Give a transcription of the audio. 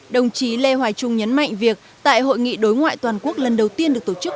đồng chí lê hoài trung nhấn mạnh việc tại hội nghị đối ngoại toàn quốc lần đầu tiên được tổ chức